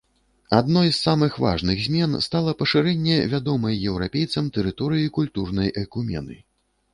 Адной з самых важных змен стала пашырэнне вядомай еўрапейцам тэрыторыі культурнай айкумены.